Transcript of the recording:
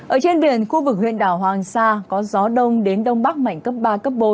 ở trên biển khu vực huyện đảo hoàng sa có gió đông đến đông bắc mạnh cấp ba bốn